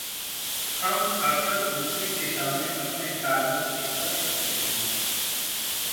हम अकसर दूसरों के सामने अपने ख़यालों को छुपा सकते हैं।